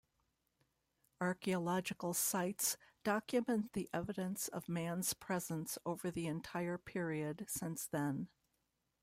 Archeological sites document the evidence of man's presence over the entire period since then.